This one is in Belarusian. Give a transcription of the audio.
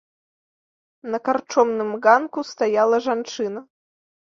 На карчомным ганку стаяла жанчына.